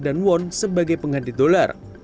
dan yuan sebagai pengganti dolar